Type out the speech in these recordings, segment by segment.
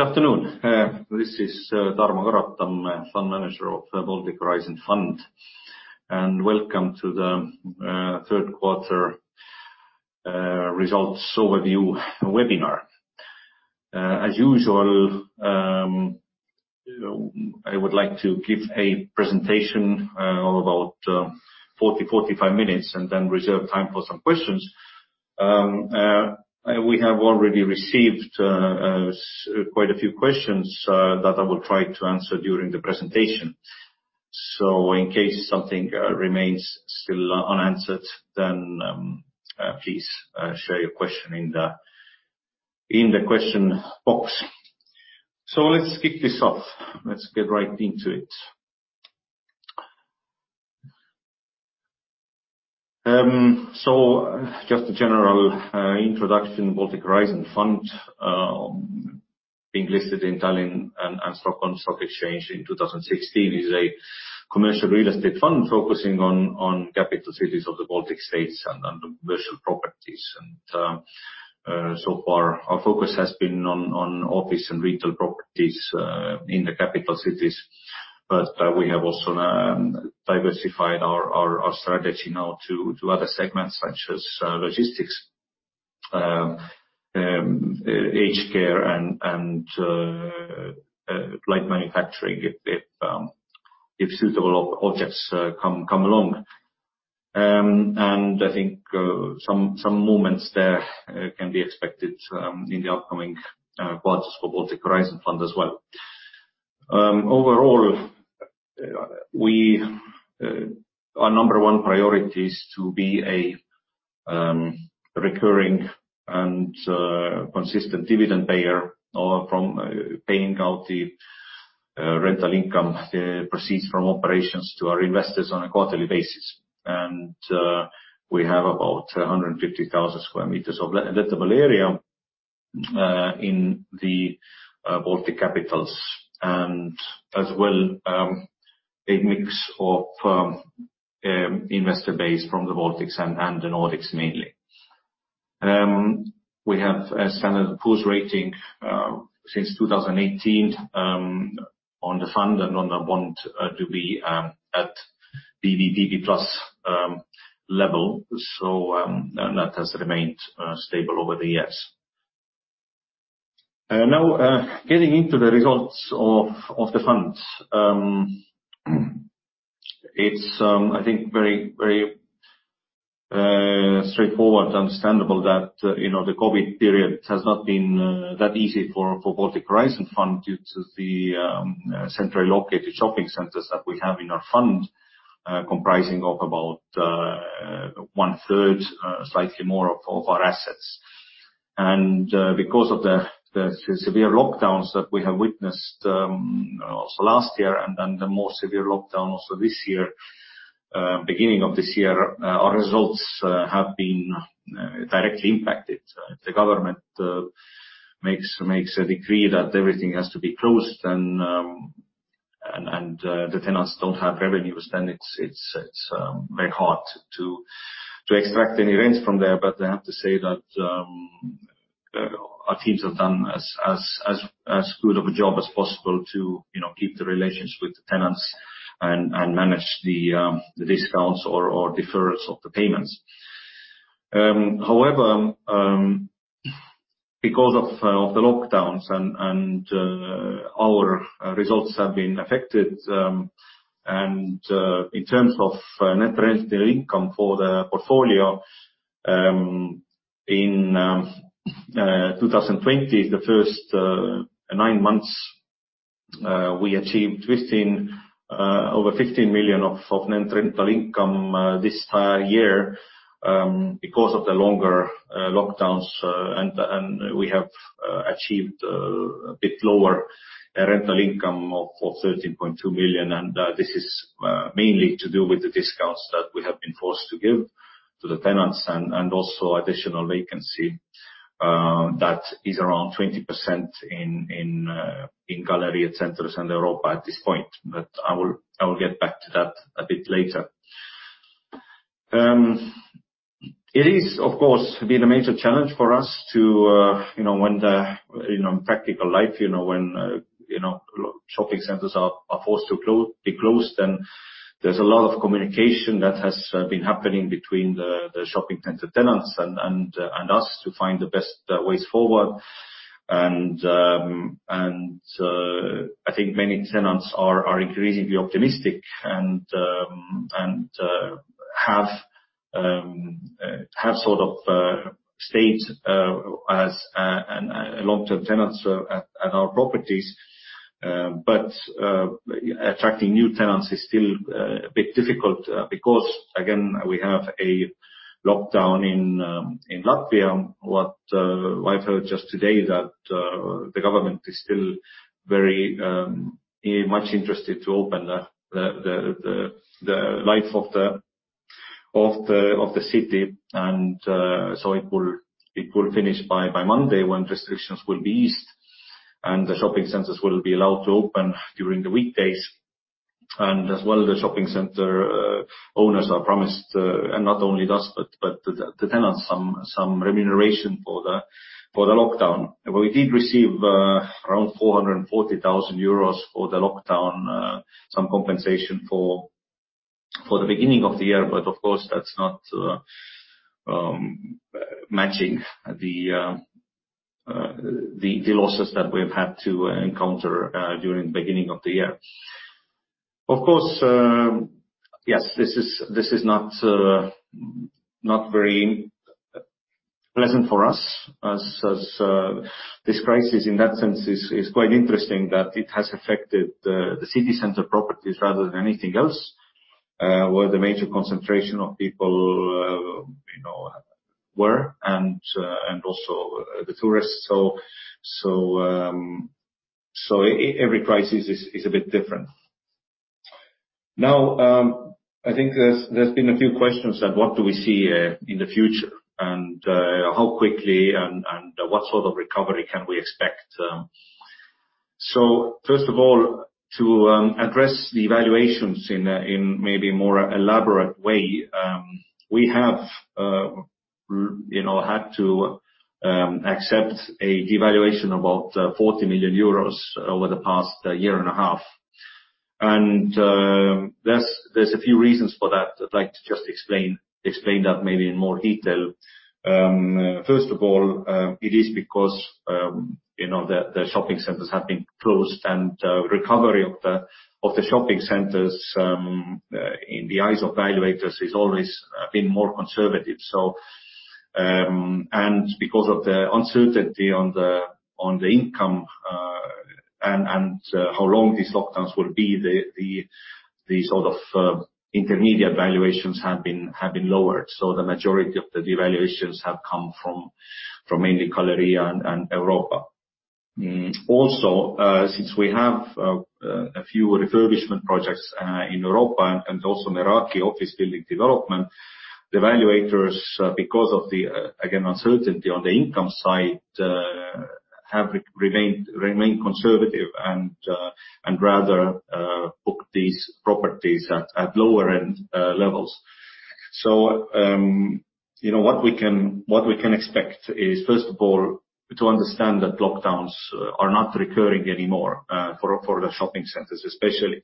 Good afternoon. This is Tarmo Karotam, Fund Manager of Baltic Horizon Fund. Welcome to the third quarter results overview webinar. As usual, you know, I would like to give a presentation of about 40-45 minutes and then reserve time for some questions. We have already received quite a few questions that I will try to answer during the presentation. In case something remains still unanswered then, please share your question in the question box. Let's kick this off. Let's get right into it. So just a general introduction, Baltic Horizon Fund, being listed in Tallinn and Stockholm Stock Exchange in 2016 is a commercial real estate fund focusing on capital cities of the Baltic States and commercial properties. So far our focus has been on office and retail properties in the capital cities. We have also now diversified our strategy now to other segments such as logistics, aged care and light manufacturing if suitable objects come along. I think some movements there can be expected in the upcoming quarters for Baltic Horizon Fund as well. Overall, we... Our number one priority is to be a recurring and consistent dividend payer from paying out the rental income proceeds from operations to our investors on a quarterly basis. We have about 150,000 sq m of lettable area in the Baltic capitals. As well, a mix of investor base from the Baltics and the Nordics mainly. We have a Standard & Poor's rating since 2018 on the fund and on the bond to be at BBB+ level. That has remained stable over the years. Now, getting into the results of the fund. It's, I think very straightforward and understandable that, you know, the COVID period has not been that easy for Baltic Horizon Fund due to the centrally located shopping centers that we have in our fund, comprising of about one third, slightly more of our assets. Because of the severe lockdowns that we have witnessed also last year and then the more severe lockdown also this year, beginning of this year, our results have been directly impacted. The government makes a decree that everything has to be closed then, and the tenants don't have revenues, then it's very hard to extract any rent from there. I have to say that our teams have done as good of a job as possible to you know keep the relations with the tenants and manage the discounts or deferrals of the payments. However, because of the lockdowns, our results have been affected, and in terms of net rental income for the portfolio, in 2020 the first nine months, we achieved over 15 million of net rental income this year because of the longer lockdowns. We have achieved a bit lower rental income of 13.2 million, and this is mainly to do with the discounts that we have been forced to give to the tenants and also additional vacancy that is around 20% in Galerija Centrs and Europa at this point. I will get back to that a bit later. It has of course been a major challenge for us, you know, when the practical life, you know, when shopping centers are forced to be closed, then there's a lot of communication that has been happening between the shopping center tenants and us to find the best ways forward. I think many tenants are increasingly optimistic and have sort of stayed as a long-term tenants at our properties. Attracting new tenants is still a bit difficult because again, we have a lockdown in Latvia. I've heard just today that the government is still very much interested to open the life of the city and so it will finish by Monday when restrictions will be eased and the shopping centers will be allowed to open during the weekdays. As well, the shopping center owners are promised, and not only us, but the tenants some remuneration for the lockdown. We did receive around 440,000 euros for the lockdown, some compensation for the beginning of the year. Of course, that's not matching the losses that we have had to encounter during the beginning of the year. Of course, yes, this is not very pleasant for us as this crisis in that sense is quite interesting that it has affected the city center properties rather than anything else. Where the major concentration of people you know were and also the tourists. Every crisis is a bit different. Now, I think there's been a few questions on what do we see in the future, and how quickly and what sort of recovery can we expect. First of all, to address the evaluations in a maybe more elaborate way, we have you know had to accept a devaluation about 40 million euros over the past year and a half. There's a few reasons for that. I'd like to just explain that maybe in more detail. First of all, it is because you know the shopping centers have been closed, and recovery of the shopping centers in the eyes of valuators has always been more conservative. Because of the uncertainty on the income and how long these lockdowns will be, the sort of intermediate valuations have been lowered. The majority of the devaluations have come from mainly Galerija and Europa. Also, since we have a few refurbishment projects in Europa and also Meraki office building development, the valuators, because of again, uncertainty on the income side, have remained conservative and rather book these properties at lower end levels. What we can expect is first of all, to understand that lockdowns are not recurring anymore for the shopping centers especially.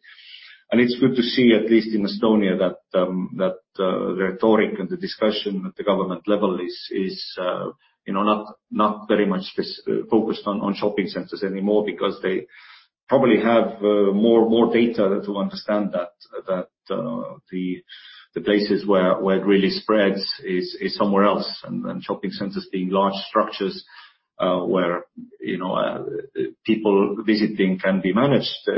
It's good to see, at least in Estonia, that the rhetoric and the discussion at the government level is, you know, not very much focused on shopping centers anymore because they probably have more data to understand that the places where it really spreads is somewhere else. Shopping centers being large structures where, you know, people visiting can be managed.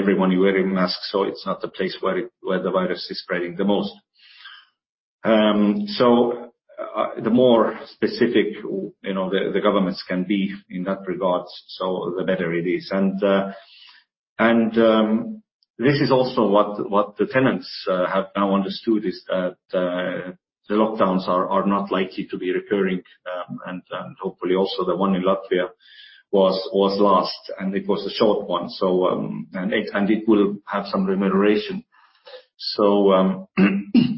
Everyone wearing masks, so it's not the place where the virus is spreading the most. The more specific, you know, the governments can be in that regard, so the better it is. This is also what the tenants have now understood is that the lockdowns are not likely to be recurring. Hopefully also the one in Latvia was last, and it was a short one, and it will have some remuneration.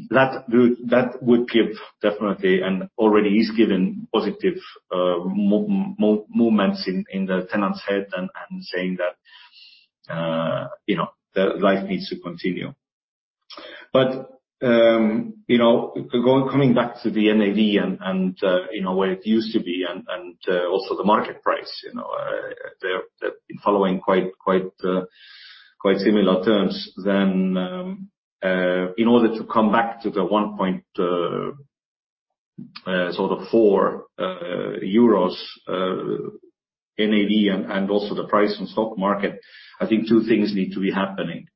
That would give definitely and already is giving positive movements in the tenants head and saying that, you know, the life needs to continue. Coming back to the NAV and you know, where it used to be and also the market price, you know, they're following quite similar terms then, in order to come back to the 1.4 NAV and also the price on stock market. I think two things need to be happening.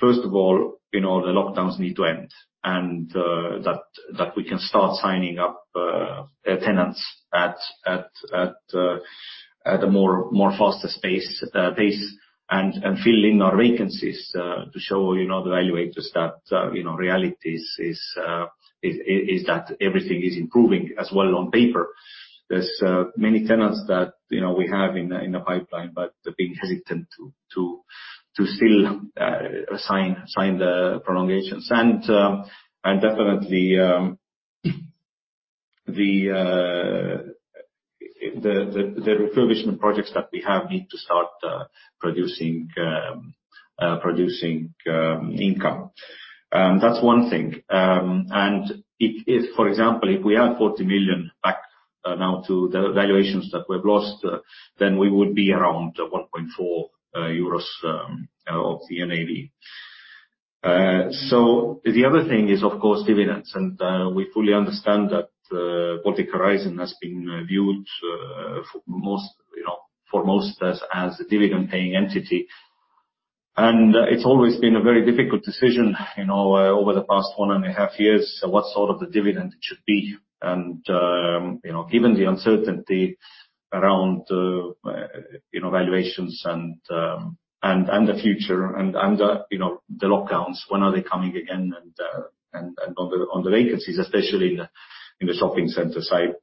First of all, you know, the lockdowns need to end and that we can start signing up tenants at a more faster pace, and filling our vacancies, to show, you know, the valuators that, you know, reality is that everything is improving as well on paper. There's many tenants that you know we have in the pipeline, but they're being hesitant to still sign the prolongations. Definitely the refurbishment projects that we have need to start producing income. That's one thing. If for example we add 40 million back now to the valuations that we've lost, then we would be around 1.4 euros of the NAV. The other thing is, of course, dividends. We fully understand that Baltic Horizon has been viewed for most you know as a dividend paying entity. It's always been a very difficult decision you know over the past 1.5 years what sort of the dividend it should be. You know, given the uncertainty around you know valuations and the future and the you know the lockdowns, when are they coming again, and on the vacancies, especially in the shopping center side.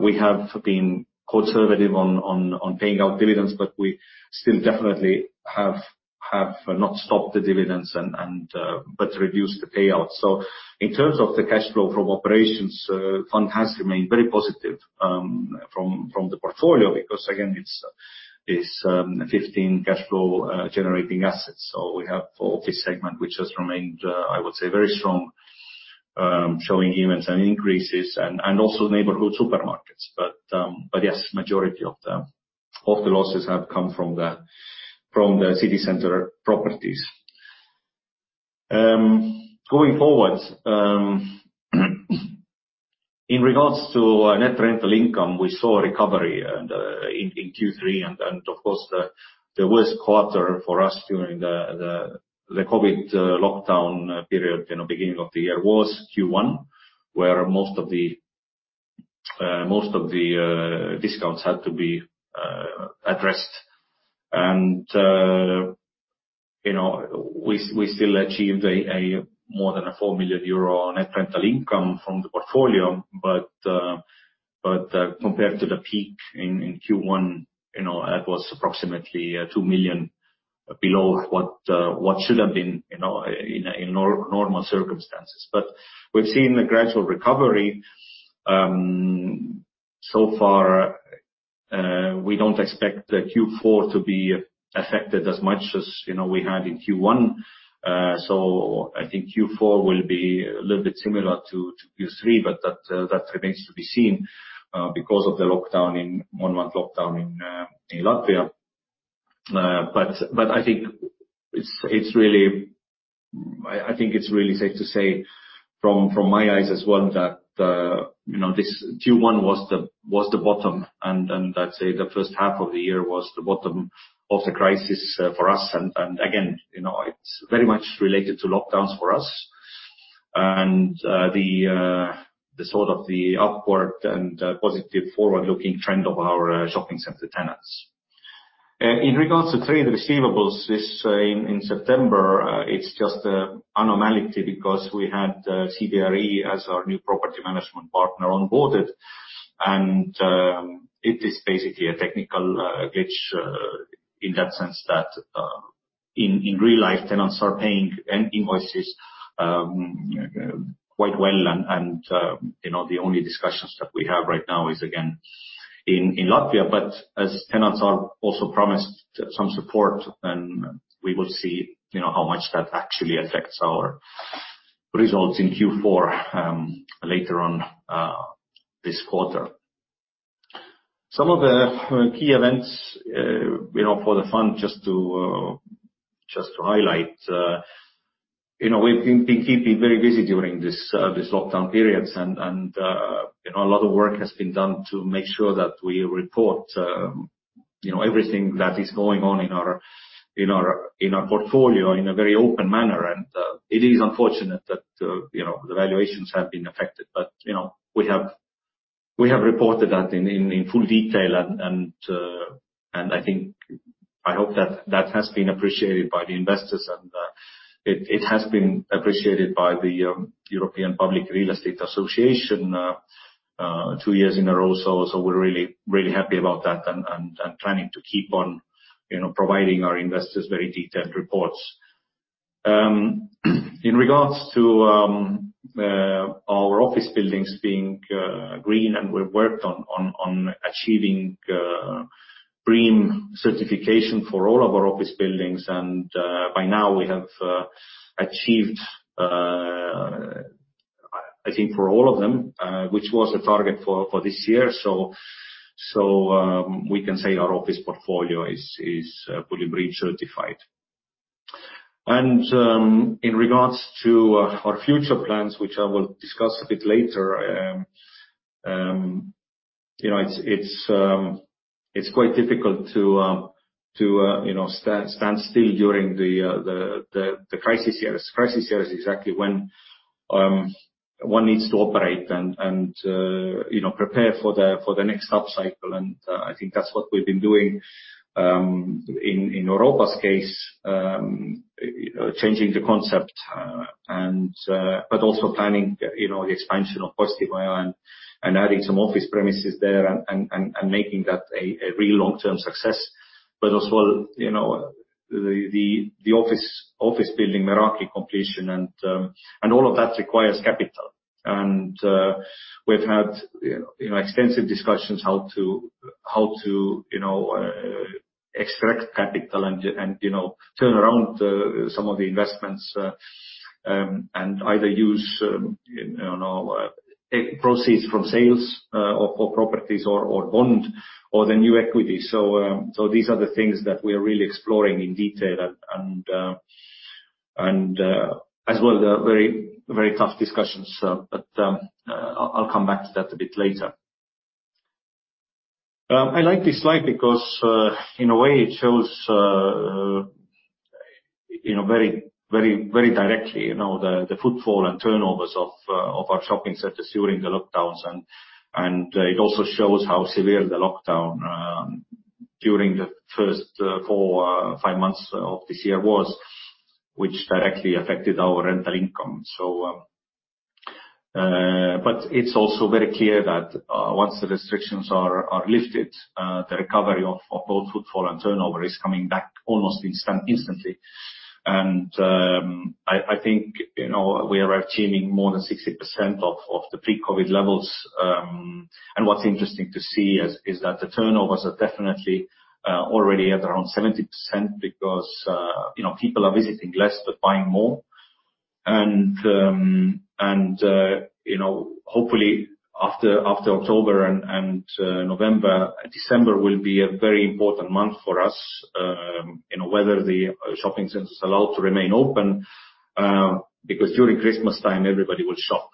We have been conservative on paying out dividends, but we still definitely have not stopped the dividends and but reduced the payout. In terms of the cash flow from operations, fund has remained very positive from the portfolio because again, it's this 15 cash flow generating assets. We have for office segment, which has remained, I would say very strong, showing even some increases and also neighborhood supermarkets. But yes, majority of the losses have come from the city center properties. Going forward, in regards to net rental income, we saw a recovery and in Q3 and of course the worst quarter for us during the COVID lockdown period, you know, beginning of the year was Q1, where most of the discounts had to be addressed. You know, we still achieved a more than 4 million euro net rental income from the portfolio. Compared to the peak in Q1, you know, that was approximately 2 million below what should have been, you know, in normal circumstances. We've seen a gradual recovery. We don't expect Q4 to be affected as much as, you know, we had in Q1. I think Q4 will be a little bit similar to Q3, but that remains to be seen because of the one-month lockdown in Latvia. I think it's really safe to say from my eyes as well that you know this Q1 was the bottom and I'd say the first half of the year was the bottom of the crisis for us. Again you know it's very much related to lockdowns for us and the sort of upward and positive forward-looking trend of our shopping center tenants. In regards to trade receivables in September it's just a normality because we had CBRE as our new property management partner onboarded. It is basically a technical glitch in that sense that in real life, tenants are paying end invoices quite well. You know, the only discussions that we have right now is again in Latvia. As tenants are also promised some support, then we will see, you know, how much that actually affects our results in Q4 later on this quarter. Some of the key events you know for the fund just to highlight you know we've been keeping very busy during this lockdown periods and you know a lot of work has been done to make sure that we report you know everything that is going on in our portfolio in a very open manner. It is unfortunate that, you know, the valuations have been affected. You know, we have reported that in full detail. I think I hope that that has been appreciated by the investors and it has been appreciated by the European Public Real Estate Association two years in a row. We're really happy about that and planning to keep on, you know, providing our investors very detailed reports. In regards to our office buildings being green and we've worked on achieving BREEAM certification for all of our office buildings. By now we have achieved, I think, for all of them, which was a target for this year. We can say our office portfolio is fully BREEAM certified. In regards to our future plans, which I will discuss a bit later, you know, it's quite difficult to, you know, stand still during the crisis years. Crisis years is exactly when one needs to operate and, you know, prepare for the next upcycle. I think that's what we've been doing in Europa's case, changing the concept and but also planning, you know, the expansion of Costa Vaio and adding some office premises there and making that a real long-term success. Also, you know, the office building Meraki completion and all of that requires capital. We've had you know extensive discussions how to you know extract capital and you know turn around some of the investments and either use you know proceeds from sales or properties or bond or the new equity. These are the things that we are really exploring in detail and as well they are very tough discussions. I'll come back to that a bit later. I like this slide because in a way it shows you know very directly you know the footfall and turnovers of our shopping centers during the lockdowns. It also shows how severe the lockdown during the first four, five months of this year was, which directly affected our rental income. But it's also very clear that once the restrictions are lifted, the recovery of both footfall and turnover is coming back almost instantly. I think, you know, we are achieving more than 60% of the pre-COVID levels. What's interesting to see is that the turnovers are definitely already at around 70% because, you know, people are visiting less but buying more. You know, hopefully after October and November, December will be a very important month for us, you know, whether the shopping centers allowed to remain open. Because during Christmastime everybody will shop.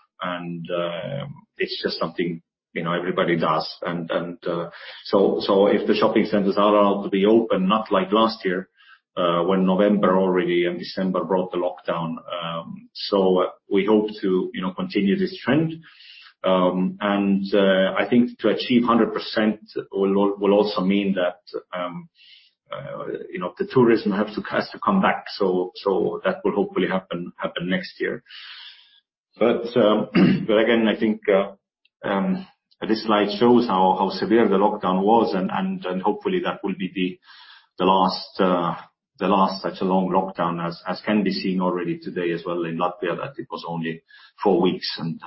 It's just something, you know, everybody does. If the shopping centers are allowed to be open, not like last year, when November already and December brought the lockdown. We hope to, you know, continue this trend. I think to achieve 100% will also mean that, you know, the tourism has to come back, so that will hopefully happen next year. Again, I think this slide shows how severe the lockdown was and hopefully that will be the last such a long lockdown as can be seen already today as well in Latvia that it was only four weeks, and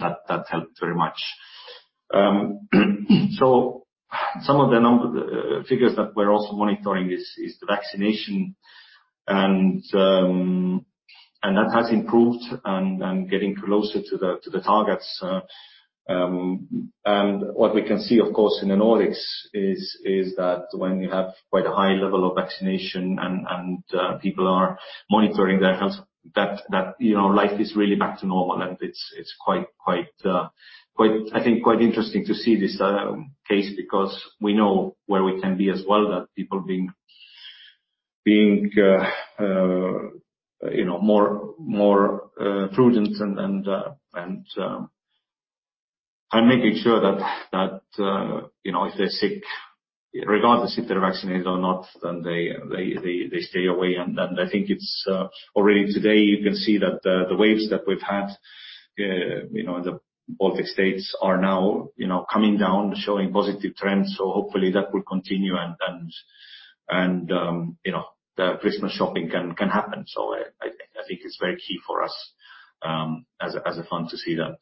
that helped very much. Some of the figures that we're also monitoring is the vaccination and that has improved and getting closer to the targets. What we can see of course in the Nordics is that when you have quite a high level of vaccination and people are monitoring their health that you know life is really back to normal. It's quite, I think, quite interesting to see this case because we know where we can be as well, that people being you know more prudent and making sure that you know if they're sick, regardless if they're vaccinated or not, then they stay away. I think it's already today you can see that the waves that we've had, you know, in the Baltic States are now, you know, coming down, showing positive trends. Hopefully that will continue and you know, the Christmas shopping can happen. I think it's very key for us as a fund to see that.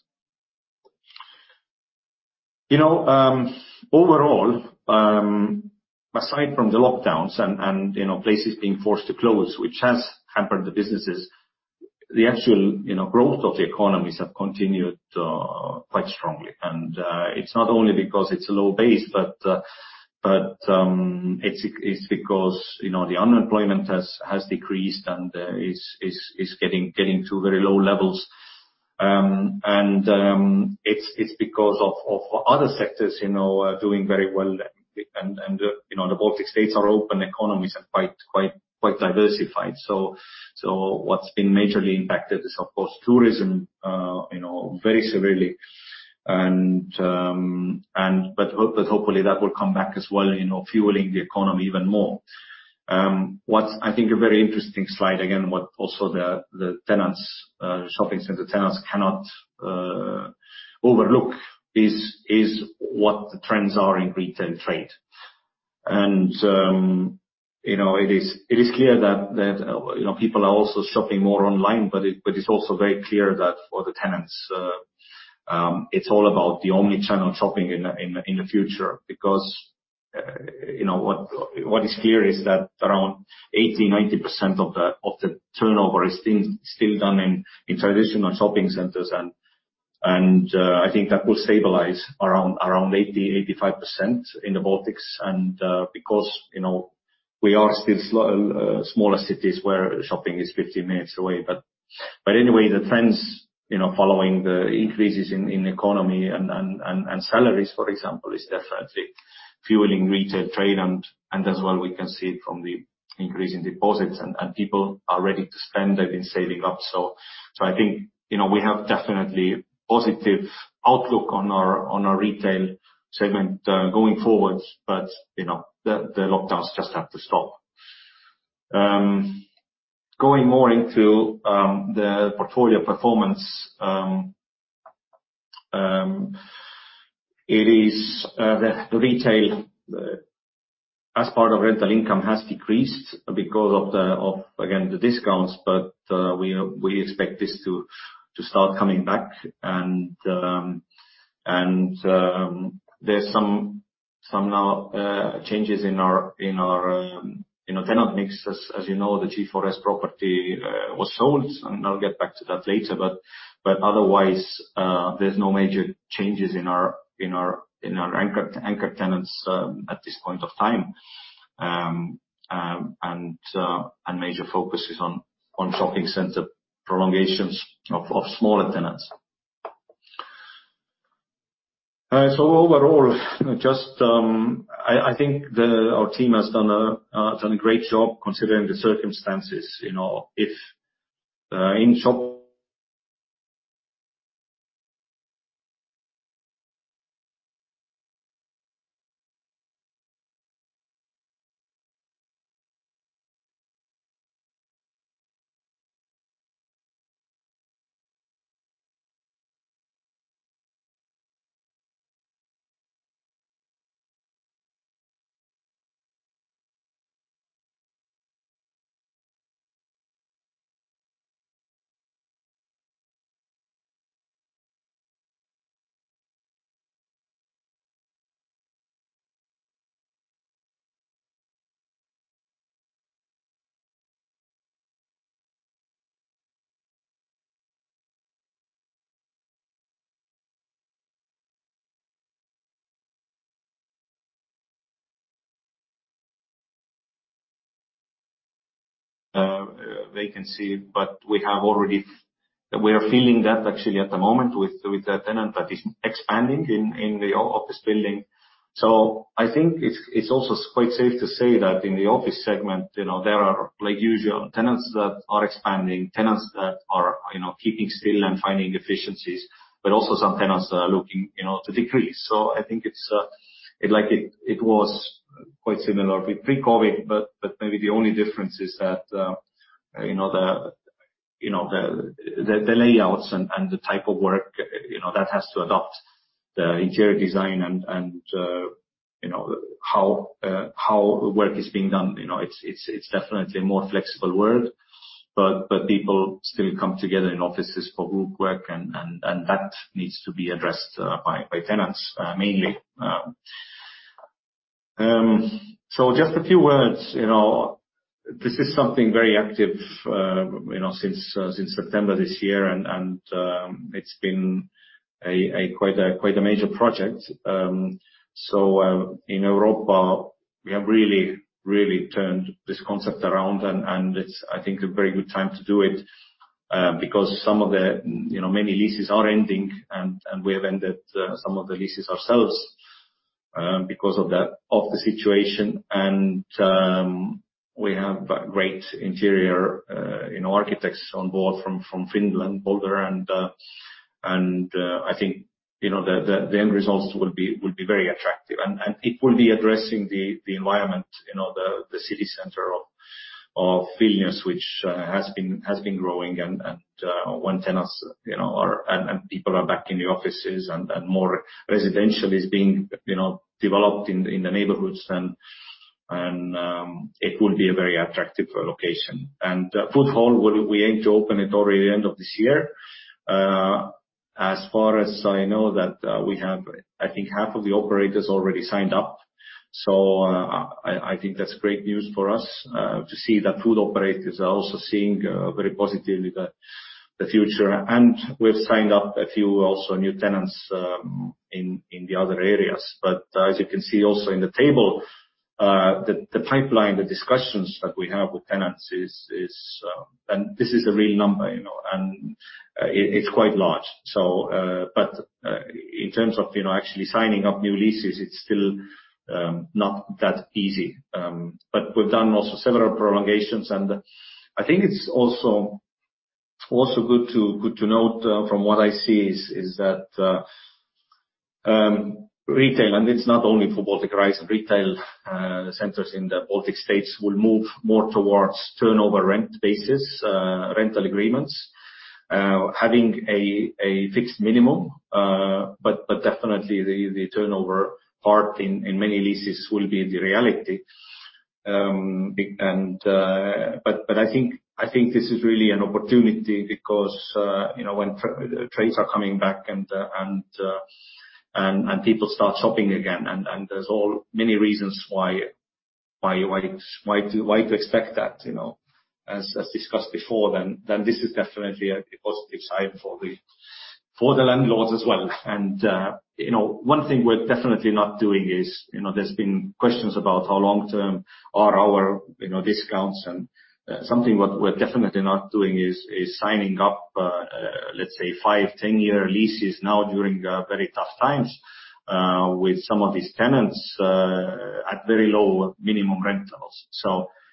You know, overall, aside from the lockdowns and you know, places being forced to close, which has hampered the businesses, the actual you know, growth of the economies have continued quite strongly. It's not only because it's a low base, but it's because you know, the unemployment has decreased and is getting to very low levels. It's because of other sectors, you know, are doing very well and, you know, the Baltic states are open economies and quite diversified. What's been majorly impacted is of course tourism, you know, very severely. Hopefully that will come back as well, you know, fueling the economy even more. What's, I think, a very interesting slide, again, what also the tenants, shopping center tenants cannot overlook is what the trends are in retail trade. You know, it is clear that, you know, people are also shopping more online, but it's also very clear that for the tenants, it's all about the omni-channel shopping in the future. Because you know what is clear is that around 80%-90% of the turnover is still done in traditional shopping centers. I think that will stabilize around 80%-85% in the Baltics. Because you know we are still smaller cities where shopping is 15 minutes away. But anyway the trends you know following the increases in economy and salaries for example is definitely fueling retail trade. As well we can see it from the increase in deposits and people are ready to spend. They've been saving up. I think you know we have definitely positive outlook on our retail segment going forward but you know the lockdowns just have to stop. Going more into the portfolio performance, it is the retail as part of rental income has decreased because of again the discounts, but we expect this to start coming back. There's some new changes in our you know tenant mix. As you know, the G4S property was sold, and I'll get back to that later. Otherwise, there's no major changes in our anchor tenants at this point of time. Major focus is on shopping center prolongations of smaller tenants. Overall, just I think our team has done a great job considering the circumstances. We are feeling that actually at the moment with a tenant that is expanding in the office building. So I think it's also quite safe to say that in the office segment, you know, there are like usual tenants that are expanding, tenants that are, you know, keeping still and finding efficiencies, but also some tenants are looking, you know, to decrease. So I think it was quite similar with pre-COVID, but maybe the only difference is that, you know, the layouts and the type of work, you know, that has to adapt the interior design and, you know, how work is being done. You know, it's definitely a more flexible world, but people still come together in offices for group work and that needs to be addressed by tenants mainly. Just a few words. You know, this is something very active, you know, since September this year and it's been quite a major project. In Europa we have really turned this concept around and it's I think a very good time to do it, because some of the, you know, many leases are ending and we have ended some of the leases ourselves, because of the situation. We have great interior, you know, architects on board from Finland, Polder and I think, you know, the end results will be very attractive and it will be addressing the environment, you know, the city center of Vilnius which has been growing and when tenants, you know, are and people are back in the offices and more residential is being, you know, developed in the neighborhoods then, and it will be a very attractive location. We aim to open it already end of this year. As far as I know that we have I think half of the operators already signed up. I think that's great news for us to see that food operators are also seeing very positively the future. We've signed up a few also new tenants in the other areas. As you can see also in the table, the pipeline, the discussions that we have with tenants, is a real number, you know, and it's quite large. In terms of, you know, actually signing up new leases, it's still not that easy. We've done also several prolongations. I think it's also good to note, from what I see is that retail, and it's not only for Baltic Horizon, retail centers in the Baltic States will move more towards turnover rent basis, rental agreements, having a fixed minimum. Definitely the turnover part in many leases will be the reality. I think this is really an opportunity because, you know, when trades are coming back and people start shopping again. There's all many reasons why to expect that, you know. As discussed before, then this is definitely a positive sign for the landlords as well. You know, one thing we're definitely not doing is, you know, there's been questions about how long-term are our, you know, discounts. Something what we're definitely not doing is signing up, let's say five, 10-year leases now during very tough times with some of these tenants at very low minimum rentals.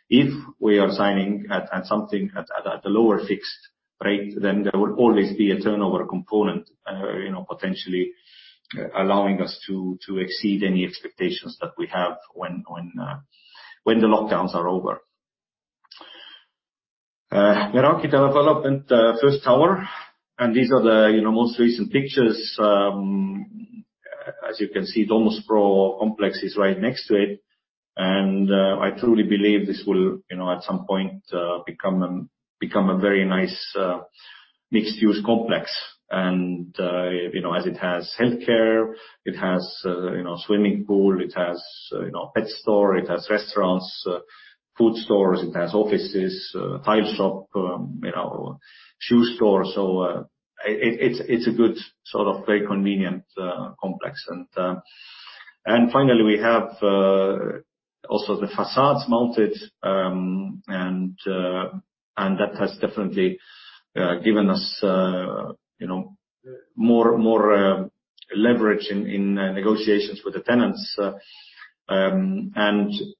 If we are signing at something at a lower fixed rate, then there will always be a turnover component, you know, potentially allowing us to exceed any expectations that we have when the lockdowns are over. Meraki development, first tower, and these are the, you know, most recent pictures. As you can see, Domus Pro complex is right next to it. I truly believe this will, you know, at some point, become a very nice mixed use complex. You know, as it has healthcare, it has swimming pool, it has pet store, it has restaurants, food stores, it has offices, tile shop, you know, shoe store. It's a good sort of very convenient complex. Finally, we have also the facades mounted, and that has definitely given us, you know, more leverage in negotiations with the tenants.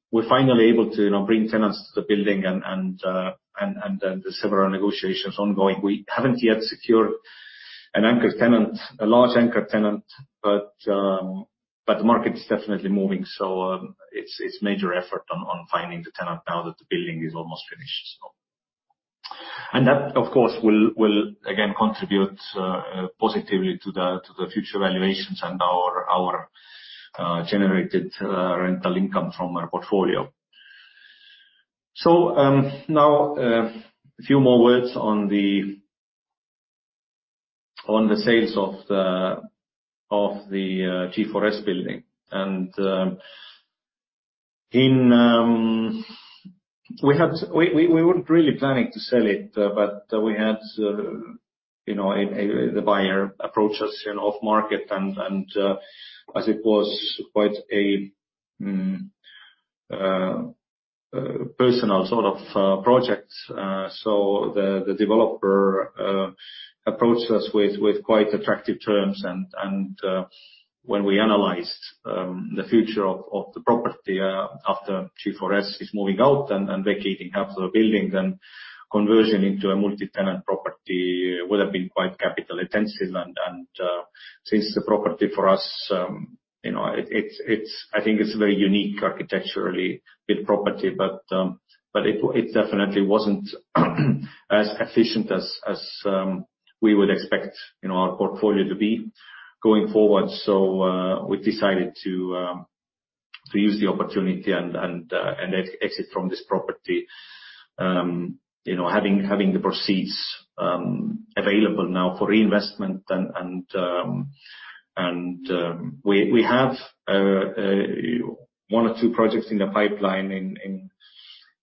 We're finally able to, you know, bring tenants to the building and then there's several negotiations ongoing. We haven't yet secured an anchor tenant, a large anchor tenant, but the market is definitely moving, so it's major effort on finding the tenant now that the building is almost finished. That, of course, will again contribute positively to the future valuations and our generated rental income from our portfolio. Now a few more words on the sales of the G4S building. We weren't really planning to sell it, but we had you know the buyer approach us, you know, off-market and as it was quite a personal sort of project. The developer approached us with quite attractive terms and, when we analyzed the future of the property after G4S is moving out and vacating half of the building, then conversion into a multi-tenant property would have been quite capital-intensive and, since the property for us, you know, it's a very unique architecturally built property, but it definitely wasn't as efficient as we would expect, you know, our portfolio to be going forward. We decided to use the opportunity and exit from this property, you know, having the proceeds available now for reinvestment and we have one or two projects in the pipeline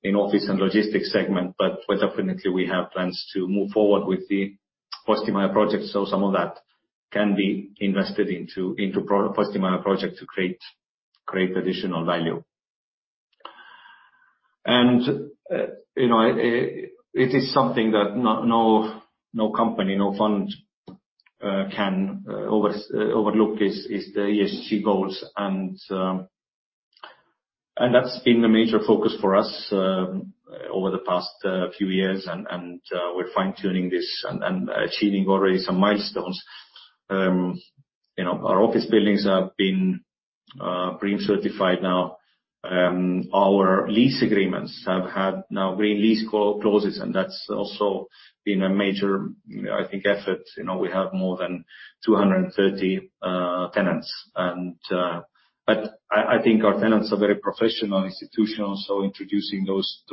in office and logistics segment, but most definitely we have plans to move forward with the Westymia project so some of that can be invested into Westymia project to create additional value. You know, it is something that no company, no fund can overlook. It is the ESG goals. That's been a major focus for us over the past few years, and we're fine-tuning this and achieving already some milestones. You know, our office buildings have been BREEAM certified now. Our lease agreements have had now green lease clauses, and that's also been a major, I think, effort. You know, we have more than 230 tenants. I think our tenants are very professional, institutional, so introducing those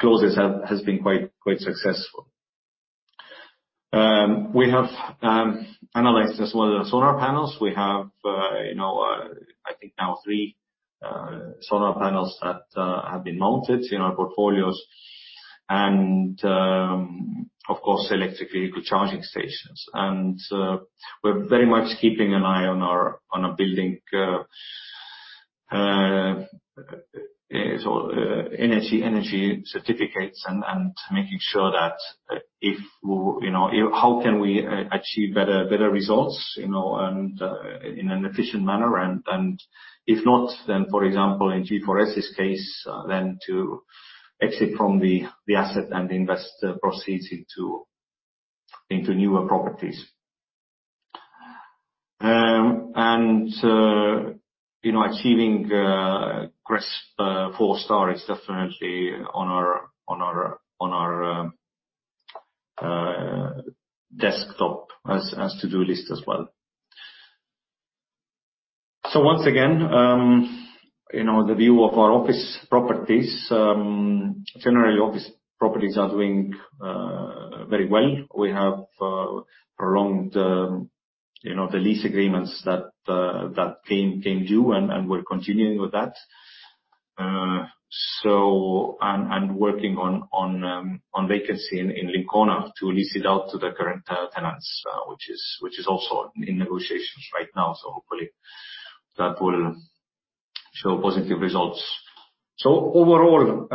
clauses has been quite successful. We have analyzed as well the solar panels. We have you know I think now three solar panels that have been mounted in our portfolios. Of course, electric vehicle charging stations. We're very much keeping an eye on our building so energy certificates and making sure that if we you know how can we achieve better results you know in an efficient manner. If not, then, for example, in G4S's case, then to exit from the asset and invest proceeds into newer properties. You know, achieving GRESB four-star is definitely on our desktop as to-do list as well. Once again, you know, the view of our office properties, generally office properties are doing very well. We have prolonged, you know, the lease agreements that came due and we're continuing with that, working on vacancy in Lincona to lease it out to the current tenants, which is also in negotiations right now. Hopefully that will show positive results. Overall,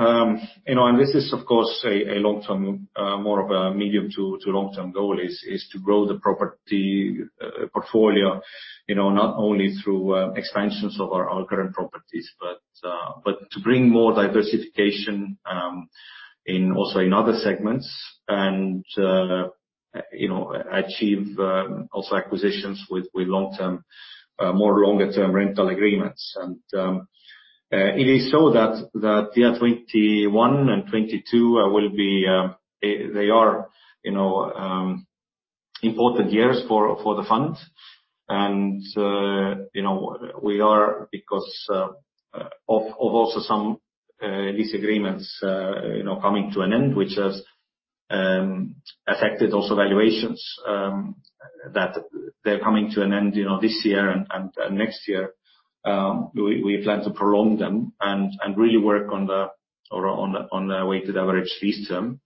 you know, and this is, of course, a long-term, more of a medium to long-term goal is to grow the property portfolio, you know, not only through expansions of our current properties, but to bring more diversification in also in other segments and, you know, achieve also acquisitions with long-term more longer-term rental agreements. It is so that 2021 and 2022 will be they are, you know, important years for the fund. You know, we are because of also some lease agreements, you know, coming to an end, which has affected also valuations that they're coming to an end, you know, this year and next year. We plan to prolong them and really work on the weighted average lease term.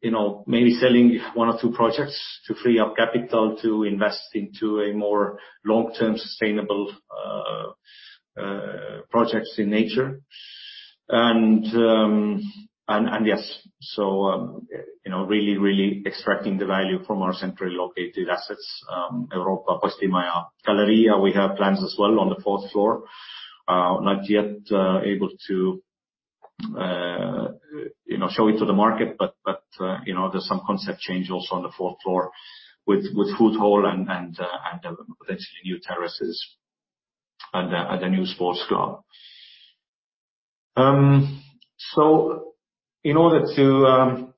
You know, maybe selling 1 or 2 projects to free up capital to invest into a more long-term sustainable projects in nature. Yes, you know, really extracting the value from our centrally located assets, Europa, Postimaja. Galerija, we have plans as well on the fourth floor. Not yet able to you know show it to the market, but you know, there's some concept change also on the fourth floor with Food Hall and potentially new terraces and a new sports club. In order to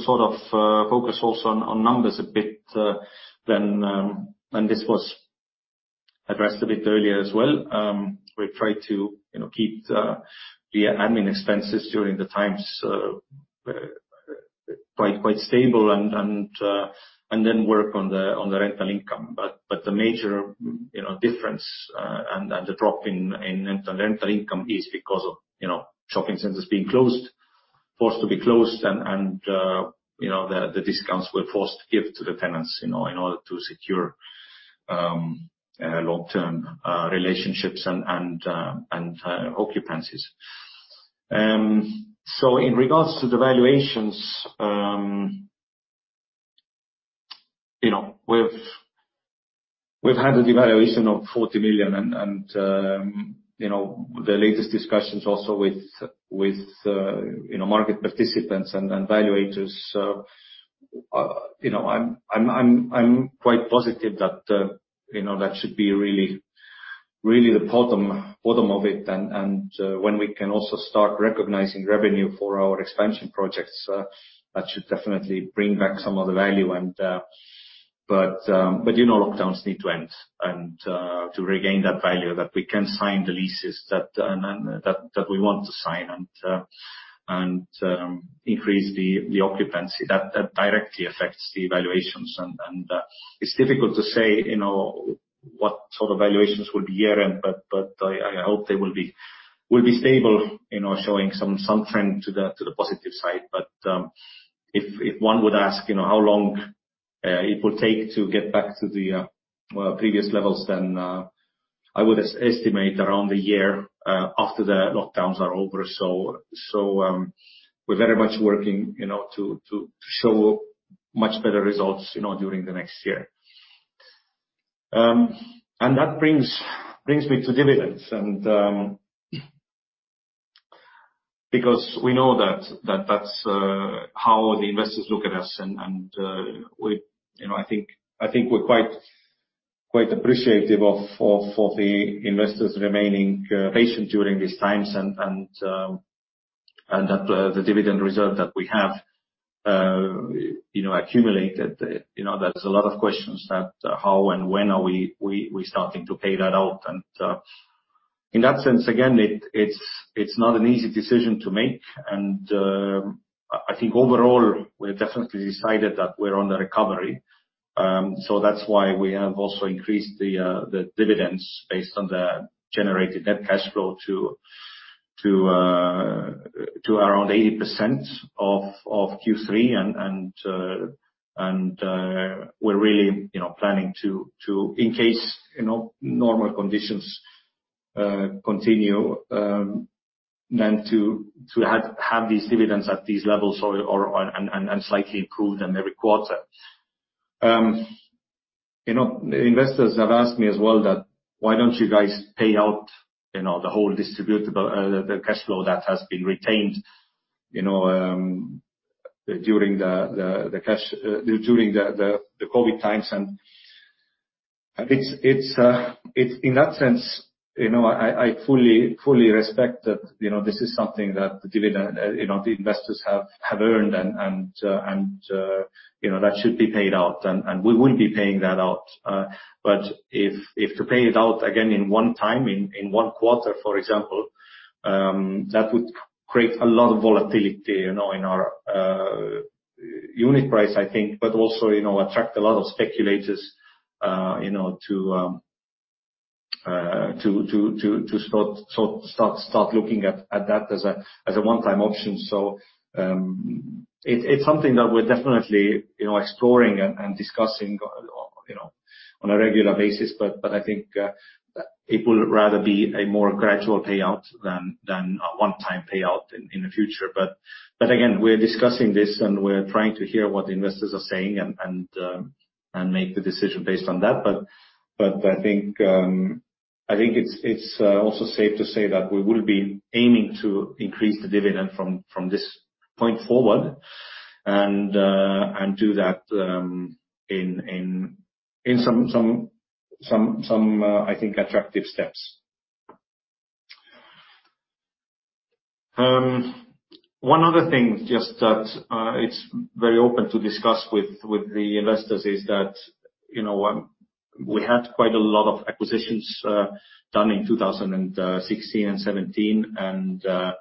sort of focus also on numbers a bit, and this was addressed a bit earlier as well, we've tried to, you know, keep the admin expenses during the times quite stable and then work on the rental income. The major, you know, difference and the drop in rental income is because of, you know, shopping centers being closed, forced to be closed and, you know, the discounts we're forced to give to the tenants, you know, in order to secure long-term relationships and occupancies. In regards to the valuations, you know, we've had a devaluation of 40 million and, you know, the latest discussions also with market participants and valuators, you know, I'm quite positive that, you know, that should be really the bottom of it. When we can also start recognizing revenue for our expansion projects, that should definitely bring back some of the value. You know, lockdowns need to end and to regain that value that we can sign the leases that we want to sign and increase the occupancy that directly affects the valuations. It's difficult to say, you know, what sort of valuations will be year-end, but I hope they will be stable, you know, showing some trend to the positive side. If one would ask, you know, how long it would take to get back to the previous levels, then I would estimate around a year after the lockdowns are over. We're very much working, you know, to show much better results, you know, during the next year. That brings me to dividends and because we know that that's how the investors look at us and we, you know, I think we're quite appreciative of the investors remaining patient during these times and that the dividend reserve that we have accumulated. You know, there's a lot of questions about how and when we are starting to pay that out? In that sense, again, it's not an easy decision to make and I think overall we've definitely decided that we're on the recovery. That's why we have also increased the dividends based on the generated net cash flow to around 80% of Q3. We're really, you know, planning to in case, you know, normal conditions continue, then to have these dividends at these levels or slightly improve them every quarter. You know, investors have asked me as well that why don't you guys pay out, you know, the whole distributable, the cash flow that has been retained, you know, during the COVID times? It's, it's in that sense, you know, I fully respect that, you know, this is something that the dividend, you know, the investors have earned and, you know, that should be paid out and we will be paying that out. If to pay it out again in one time, in one quarter, for example, that would create a lot of volatility, you know, in our unit price, I think, but also attract a lot of speculators, you know, to start looking at that as a one-time option. It's something that we're definitely, you know, exploring and discussing, you know, on a regular basis, but I think it will rather be a more gradual payout than a one-time payout in the future. Again, we're discussing this and we're trying to hear what the investors are saying and make the decision based on that. I think it's also safe to say that we will be aiming to increase the dividend from this point forward and do that in some I think attractive steps. One other thing just that it's very open to discuss with the investors is that, you know, we had quite a lot of acquisitions done in 2016 and 2017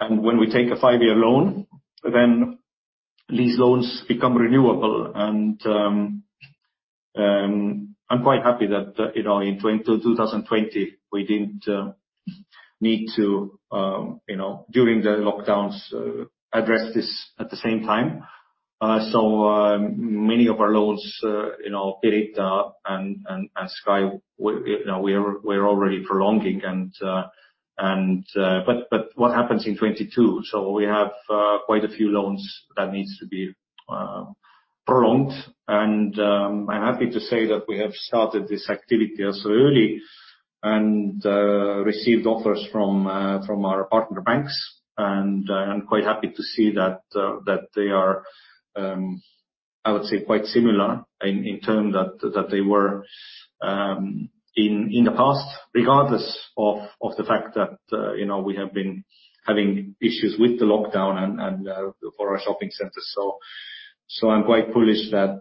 and when we take a five-year loan then these loans become renewable. I'm quite happy that, you know, in 2020 we didn't need to, you know, during the lockdowns, address this at the same time. Many of our loans, you know, Pirita and SKY, you know, we're already prolonging, but what happens in 2022? We have quite a few loans that needs to be prolonged. I'm happy to say that we have started this activity as early and received offers from our partner banks. I'm quite happy to see that they are, I would say, quite similar in terms that they were in the past, regardless of the fact that, you know, we have been having issues with the lockdown and for our shopping centers. I'm quite bullish that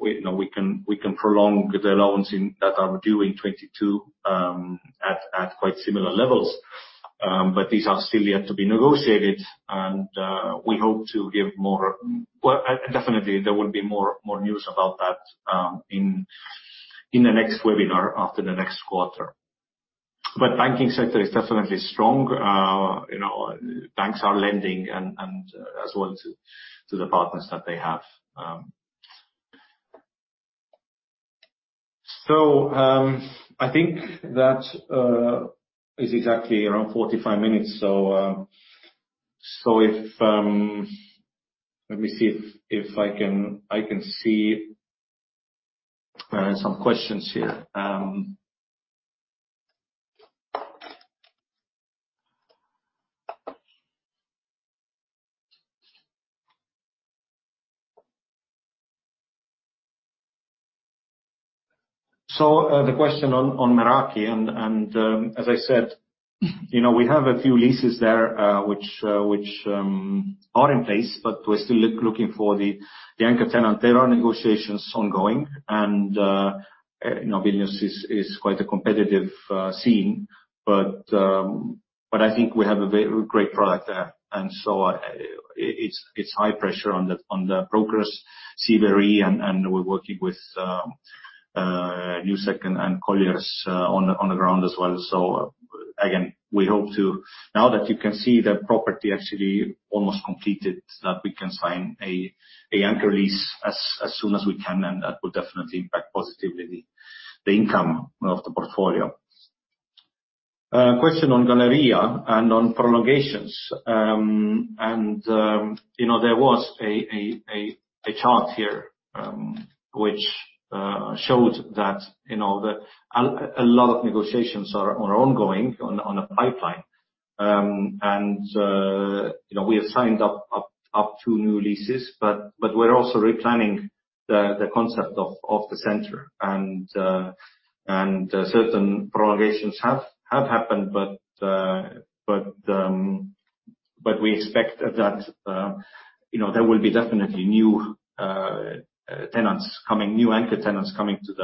we, you know, we can prolong the loans that are due in 2022 at quite similar levels. These are still yet to be negotiated, and we hope to give more. Well, definitely, there will be more news about that in the next webinar after the next quarter. Banking sector is definitely strong. You know, banks are lending and as well to the partners that they have. I think that is exactly around 45 minutes. If let me see if I can see some questions here. The question on Meraki, and as I said, you know, we have a few leases there, which are in place, but we're still looking for the anchor tenant. There are negotiations ongoing and you know, business is quite a competitive scene. But I think we have a very great product there. It's high pressure on the brokers, CBRE, and we're working with Newsec and Colliers on the ground as well. Again, we hope now that you can see the property actually almost completed, that we can sign a anchor lease as soon as we can, and that will definitely impact positively the income of the portfolio. Question on Galerija Centrs and on prolongations. You know, there was a chart here which showed that a lot of negotiations are ongoing on a pipeline. You know, we have signed up two new leases. We're also replanning the concept of the center. Certain prolongations have happened, but we expect that you know, there will be definitely new tenants coming, new anchor tenants coming to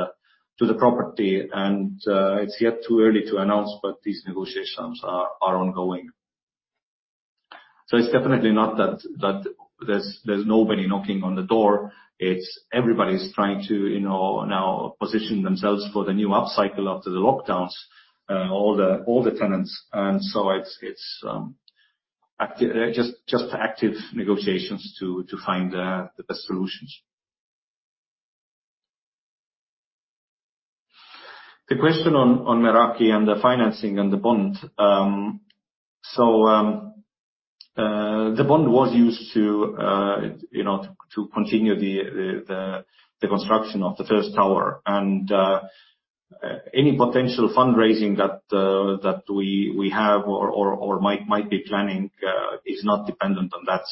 the property. It's yet too early to announce, but these negotiations are ongoing. It's definitely not that there's nobody knocking on the door. Everybody's trying to you know, now position themselves for the new upcycle after the lockdowns, all the tenants. It's just active negotiations to find the best solutions. The question on Meraki and the financing and the bond. The bond was used to you know continue the construction of the first tower. Any potential fundraising that we have or might be planning is not dependent on that.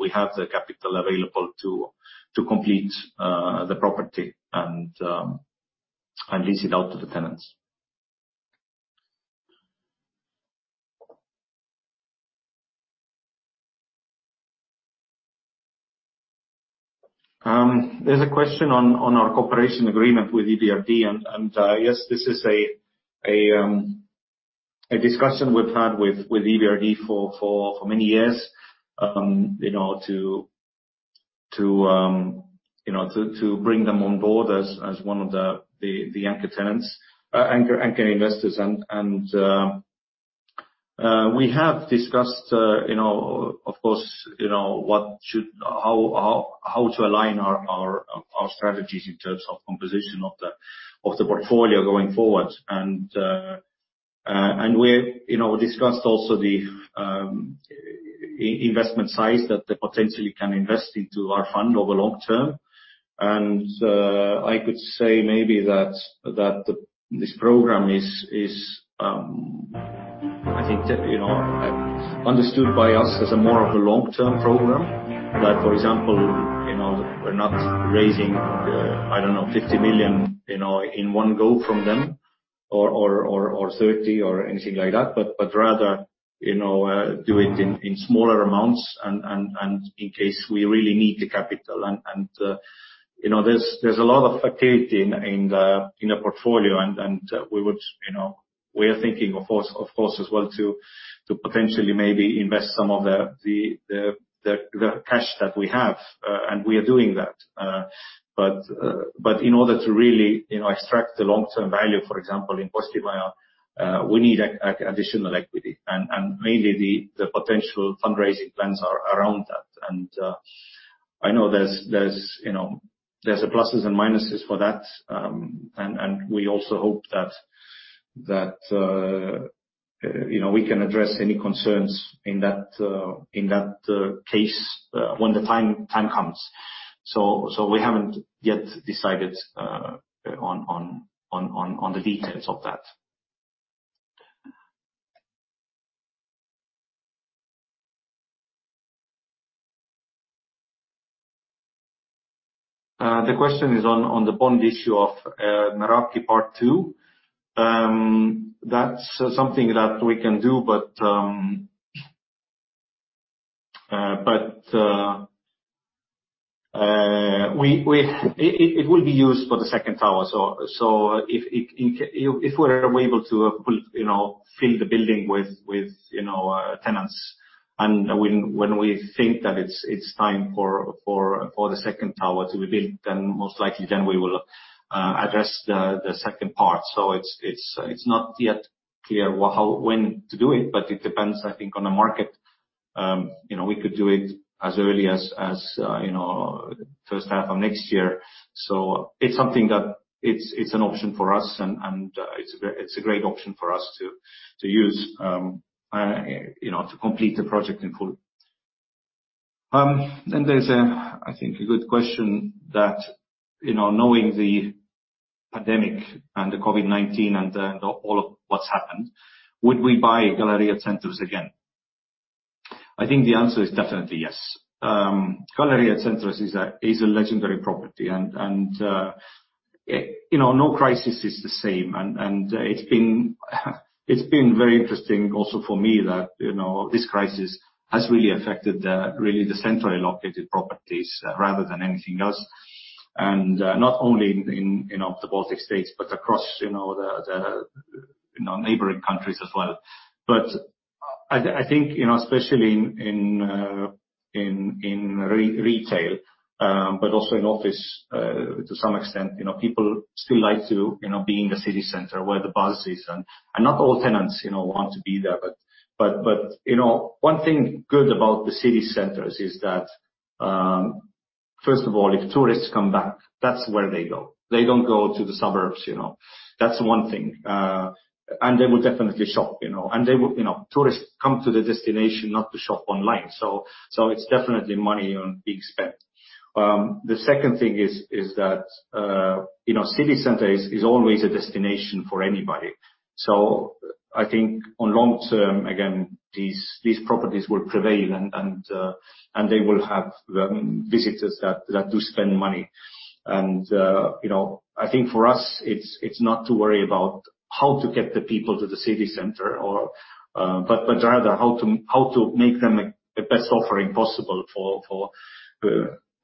We have the capital available to complete the property and lease it out to the tenants. There's a question on our cooperation agreement with EBRD. Yes, this is a discussion we've had with EBRD for many years, you know, to bring them on board as one of the anchor investors. We have discussed, you know, of course, you know, how to align our strategies in terms of composition of the portfolio going forward. We have discussed also the investment size that they potentially can invest into our fund over long term. I could say maybe that this program is, I think, you know, understood by us as more of a long-term program. Like, for example, you know, we're not raising, I don't know, 50 million, you know, in one go from them or 30 million or anything like that, but rather, you know, do it in smaller amounts and in case we really need the capital. You know, there's a lot of vacancy in the portfolio. We are thinking of course, as well to potentially maybe invest some of the cash that we have. We are doing that. In order to really, you know, extract the long-term value, for example, in Postimaja, we need additional equity. Mainly the potential fundraising plans are around that. I know there's you know, the pluses and minuses for that. We also hope that you know, we can address any concerns in that case when the time comes. We haven't yet decided on the details of that. The question is on the bond issue of Narva part two. That's something that we can do, but it will be used for the second tower. If we're able to you know, fill the building with you know, tenants and when we think that it's time for the second tower to be built, then most likely we will address the second part. It's not yet clear how, when to do it, but it depends, I think, on the market. You know, we could do it as early as you know, first half of next year. It's something that is an option for us and it's a great option for us to use, you know, to complete the project in full. Then there's, I think, a good question that, you know, knowing the pandemic and the COVID-19 and all of what's happened, would we buy Galerija Centrs again? I think the answer is definitely yes. Galerija Centrs is a legendary property and it. You know, no crisis is the same. It's been very interesting also for me that, you know, this crisis has really affected really the centrally located properties rather than anything else. Not only in the Baltic states, but across the neighboring countries as well. I think, you know, especially in retail, but also in office to some extent, you know, people still like to, you know, be in the city center where the buzz is. Not all tenants, you know, want to be there, but you know, one thing good about the city centers is that first of all, if tourists come back, that's where they go. They don't go to the suburbs, you know. That's one thing. They will definitely shop, you know. They will You know, tourists come to the destination not to shop online. It's definitely money being spent. The second thing is that you know, city center is always a destination for anybody. I think in the long term, again, these properties will prevail and they will have visitors that do spend money. You know, I think for us it's not to worry about how to get the people to the city center or but rather how to make them the best offering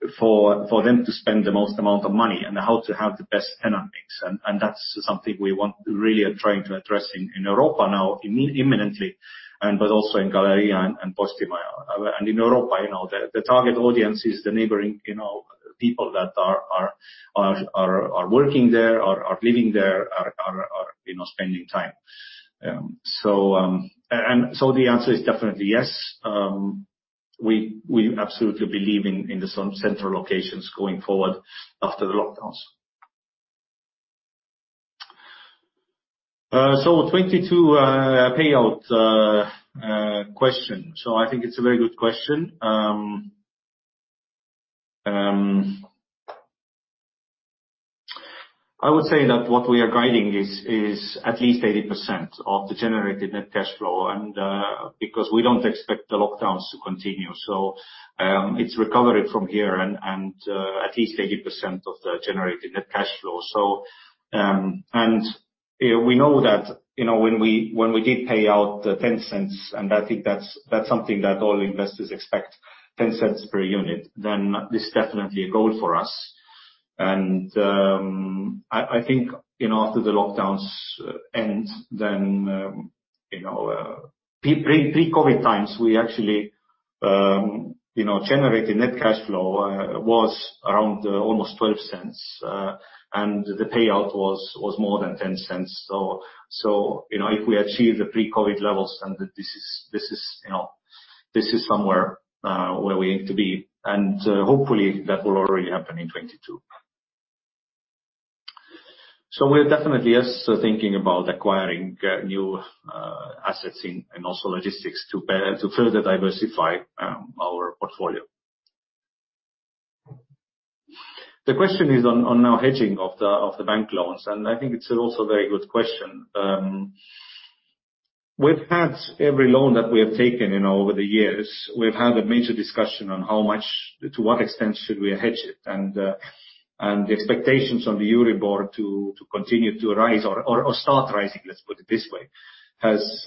possible for them to spend the most amount of money and how to have the best tenant mix. That's something we really are trying to address in Europa now imminently but also in Galerija and Postimaja. In Europa, you know, the target audience is the neighboring, you know, people that are working there, are living there, you know, spending time. The answer is definitely yes. We absolutely believe in some central locations going forward after the lockdowns. 2022 payout question. I think it's a very good question. I would say that what we are guiding is at least 80% of the generated net cash flow. Because we don't expect the lockdowns to continue, it's recovered from here and at least 80% of the generated net cash flow. We know that, you know, when we did pay out the 0.10, and I think that's something that all investors expect, 0.10 per unit, then this is definitely a goal for us. I think, you know, after the lockdowns end, then you know, pre-COVID-19 times, we actually you know, generated net cash flow was around almost 0.12. And the payout was more than 0.10. You know, if we achieve the pre-COVID-19 levels and this is you know, this is somewhere where we aim to be, and hopefully that will already happen in 2022. We're definitely yes, thinking about acquiring new assets in and also logistics to further diversify our portfolio. The question is on now hedging of the bank loans, and I think it's also a very good question. We've had every loan that we have taken, you know, over the years. We've had a major discussion on how much to what extent should we hedge it. The expectations on the EURIBOR to continue to rise or start rising, let's put it this way, has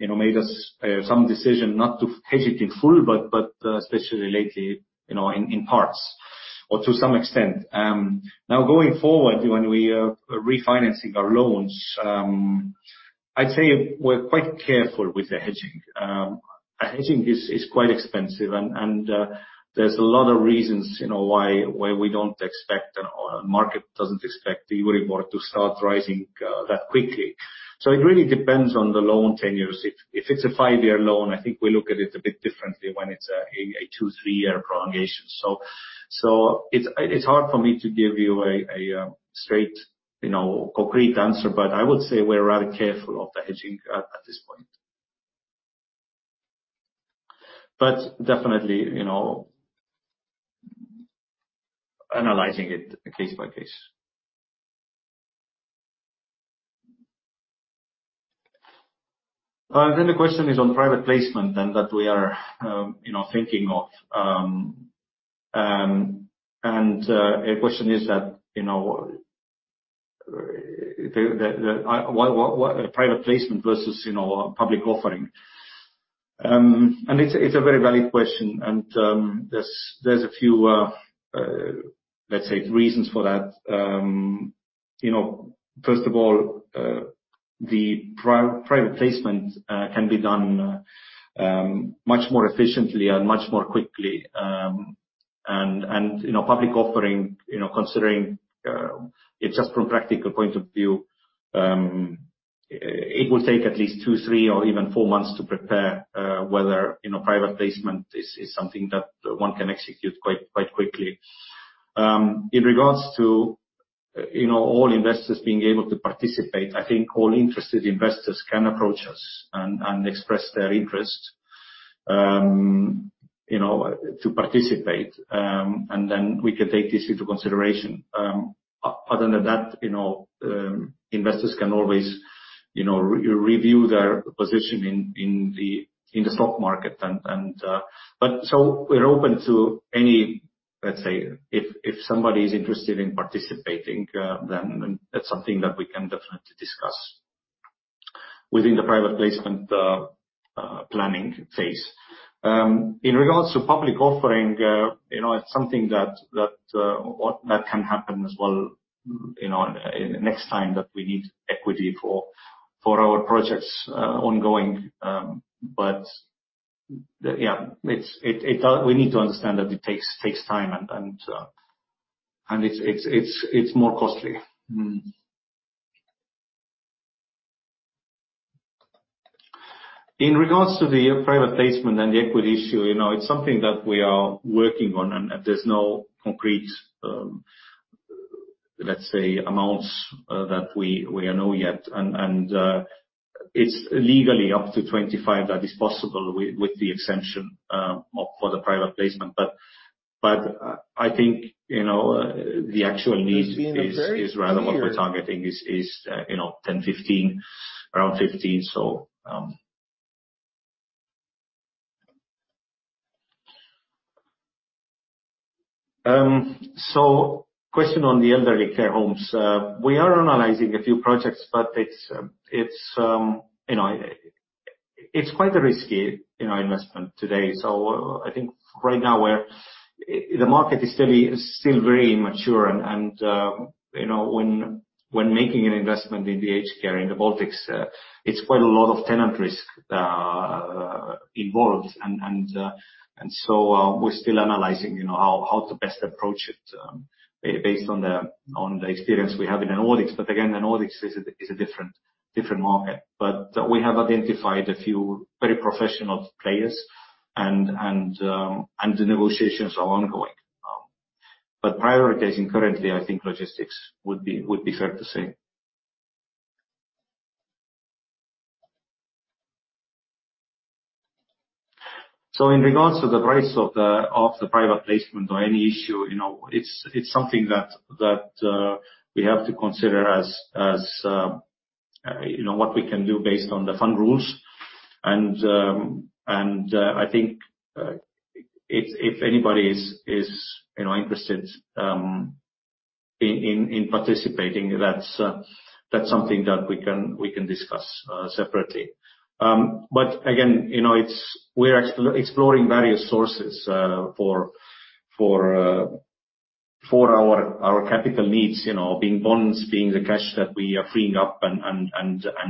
made us some decision not to hedge it in full, but especially lately, you know, in parts or to some extent. Now going forward when we are refinancing our loans, I'd say we're quite careful with the hedging. Hedging is quite expensive and there's a lot of reasons, you know, why we don't expect, or the market doesn't expect EURIBOR to start rising that quickly. It really depends on the loan tenures. If it's a five-year loan, I think we look at it a bit differently when it's a two- or three-year prolongation. It's hard for me to give you a straight, you know, concrete answer. I would say we're rather careful of the hedging at this point. But definitely, you know, analyzing it case by case. Then the question is on private placement and that we are thinking of. And the question is why a private placement versus, you know, a public offering? It's a very valid question, and there's a few let's say reasons for that. You know, first of all, the private placement can be done much more efficiently and much more quickly. You know, public offering, considering it just from practical point of view, it will take at least two, three or even four months to prepare, whereas private placement is something that o ne can execute quite quickly. In regards to all investors being able to participate, I think all interested investors can approach us and express their interest, you know, to participate. Then we can take this into consideration. Other than that, you know, investors can always, you know, re-review their position in the stock market and. We're open to any, let's say, if somebody is interested in participating, then that's something that we can definitely discuss within the private placement planning phase. In regards to public offering, you know, it's something that can happen as well, you know, next time that we need equity for our projects ongoing. Yeah, it's something that we need to understand takes time and it's more costly. In regards to the private placement and the equity issue, you know, it's something that we are working on and there's no concrete, let's say amounts that we know yet. It is legally up to 25 that is possible with the exemption for the private placement. I think the actual need is rather what we're targeting is 10, 15, around 15. Question on the elderly care homes. We are analyzing a few projects, but it's quite a risky investment today. I think right now. The market is still very immature and when making an investment in the aged care in the Baltics, it's quite a lot of tenant risk involved. We're still analyzing how to best approach it based on the experience we have in Nordics. Again, the Nordics is a different market. We have identified a few very professional players and the negotiations are ongoing, prioritizing currently, I think logistics would be fair to say. In regards to the price of the private placement or any issue, you know, it's something that we have to consider as you know what we can do based on the fund rules. I think if anybody is, you know, interested in participating, that's something that we can discuss separately. Again, you know, we're exploring various sources for our capital needs. You know, being bonds, being the cash that we are freeing up and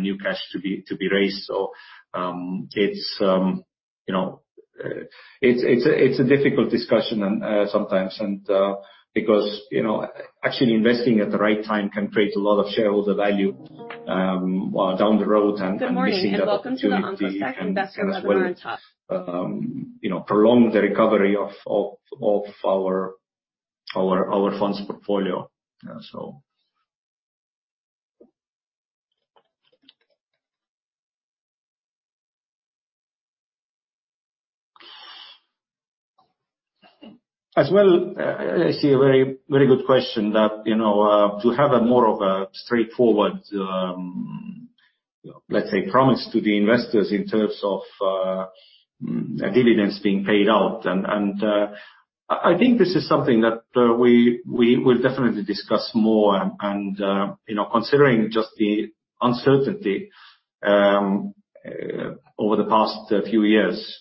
new cash to be raised. It's a difficult discussion and sometimes because you know, actually investing at the right time can create a lot of shareholder value down the road and missing the opportunity you know, prolong the recovery of our fund's portfolio. So as well, I see a very good question that you know, to have more of a straightforward, let's say, promise to the investors in terms of a dividends being paid out. And I think this is something that we will definitely discuss more. Considering just the uncertainty over the past few years,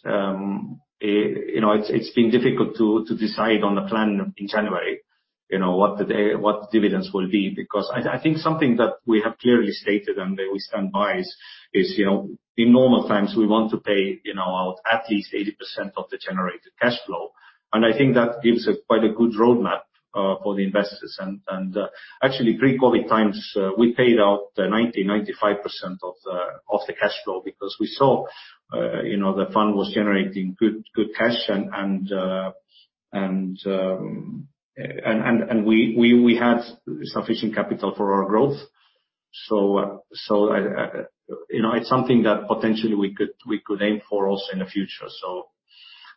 you know, it's been difficult to decide on the plan in January, you know, what dividends will be. Because I think something that we have clearly stated and that we stand by is, you know, in normal times, we want to pay, you know, out at least 80% of the generated cash flow. I think that gives a quite good roadmap for the investors. Actually pre-COVID times, we paid out 95% of the cash flow because we saw, you know, the fund was generating good cash. We had sufficient capital for our growth. You know, it's something that potentially we could aim for also in the future.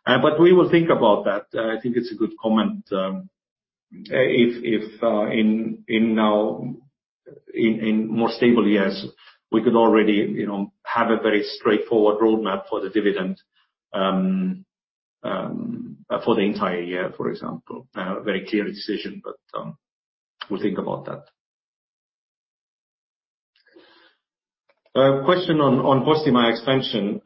But we will think about that. I think it's a good comment, if in more stable years we could already you know have a very straightforward roadmap for the dividend for the entire year, for example. Very clear decision, but we'll think about that. A question on Postimaja expansion.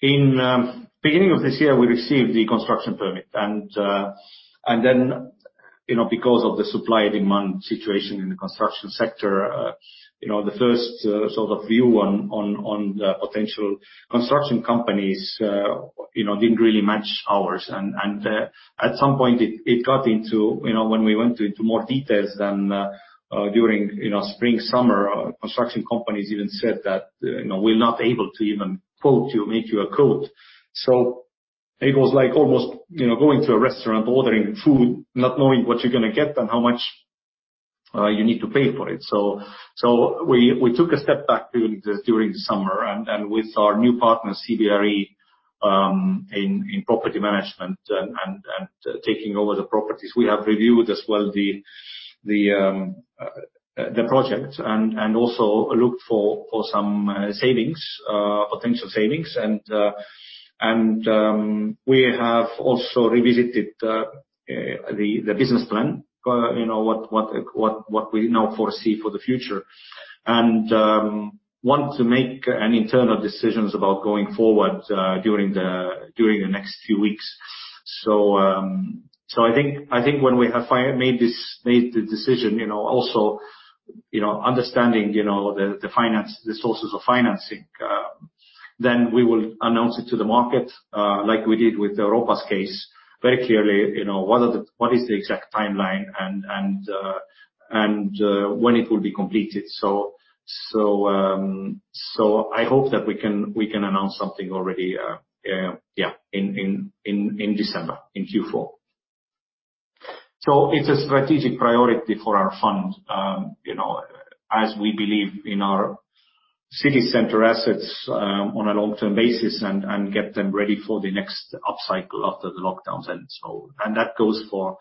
In beginning of this year, we received the construction permit and then, you know, because of the supply-demand situation in the construction sector, you know, the first sort of view on the potential construction companies you know didn't really match ours. At some point it got into, you know, when we went into more details then during, you know, spring, summer, construction companies even said that, you know, we're not able to even quote you, make you a quote. It was like almost, you know, going to a restaurant, ordering food, not knowing what you're gonna get and how much you need to pay for it. So we took a step back during the summer and with our new partner, CBRE, in property management and taking over the properties. We have reviewed as well the project and also looked for some potential savings. We have also revisited the business plan, you know, what we now foresee for the future and want to make an internal decision about going forward during the next few weeks. I think when we have made the decision, you know, also understanding the finance, the sources of financing, then we will announce it to the market, like we did with the Europa's case. Very clearly, you know, what is the exact timeline and when it will be completed. I hope that we can announce something already in December, in Q4. It's a strategic priority for our fund, you know, as we believe in our city center assets on a long-term basis and get them ready for the next upcycle after the lockdowns. That goes for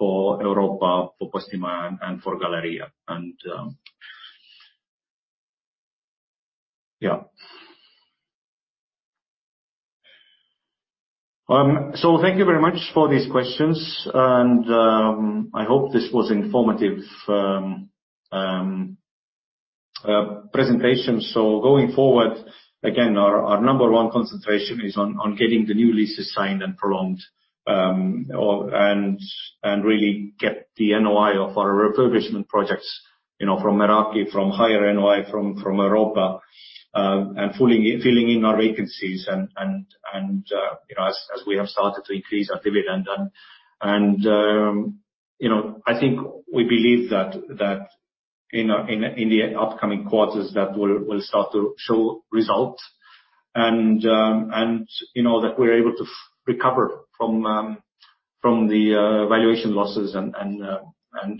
Europa, for Postimaja, and for Galerija. Thank you very much for these questions and I hope this was informative presentation. Going forward, again, our number one concentration is on getting the new leases signed and prolonged and really get the NOI of our refurbishment projects, you know, from Meraki, from higher NOI from Europa, and filling in our vacancies and you know, as we have started to increase our dividend. You know, I think we believe that in the upcoming quarters we'll start to show results and, you know, that we're able to recover from the valuation losses and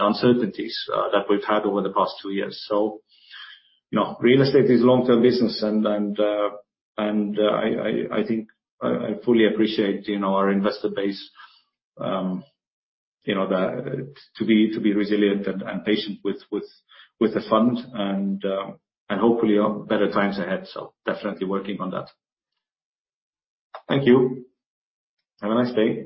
uncertainties that we've had over the past two years. You know, real estate is long-term business and I think I fully appreciate, you know, our investor base to be resilient and patient with the fund and hopefully better times ahead. Definitely working on that. Thank you. Have a nice day.